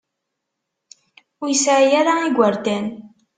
Ur yesɛi ara igerdan.